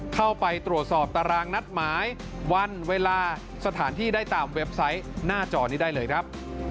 เข้าไปตรวจสอบตารางนัดหมายวันเวลาสถานที่ได้ตามเว็บไซต์หน้าจอนี้ได้เลยครับ